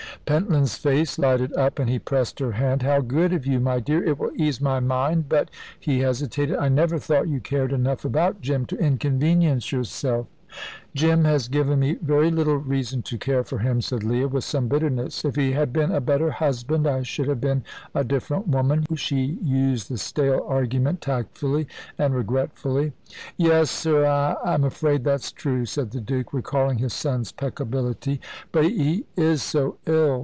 Pentland's face lighted up, and he pressed her hand. "How good of you, my dear! It will ease my mind; but " he hesitated "I never thought you cared enough about Jim to inconvenience yourself." "Jim has given me very little reason to care for him," said Leah, with some bitterness. "If he had been a better husband, I should have been a different woman"; she used the stale argument tactfully and regretfully. "Yes er I'm afraid that's true," said the Duke, recalling his son's peccability; "but he is so ill.